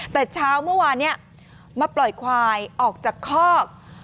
แต่เช้าเมื่อวานนี้มาปล่อยควายออกจากคอก